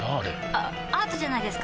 あアートじゃないですか？